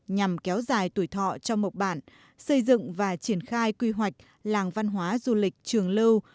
nhằm kéo dài tuổi thọ cho mộc bản xây dựng và triển khai quy hoạch làng văn hóa du lịch trường lâu